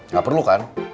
gak perlu kan